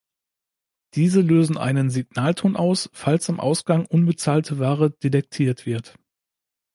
Diese lösen einen Signalton aus, falls am Ausgang unbezahlte Ware detektiert wird.